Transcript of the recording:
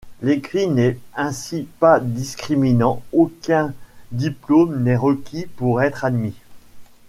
L'écrit n'est ainsi pas discriminant, aucun diplôme n'est requis pour être admis.